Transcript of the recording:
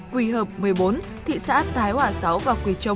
quỳ hợp một mươi bốn thị xã tái hỏa sáu và quỳ châu một